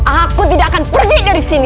aku tidak akan pergi dari sini